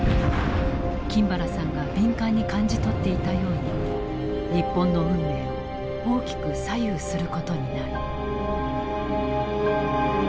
金原さんが敏感に感じ取っていたように日本の運命を大きく左右することになる。